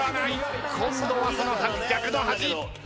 今度はその逆の端。